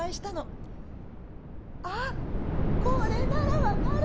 「あっこれなら分かる！」。